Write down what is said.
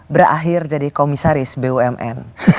berakhir jadi komisaris bumn